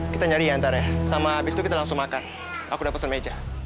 kita nyari ya ntar ya sama abis itu kita langsung makan aku udah pesen meja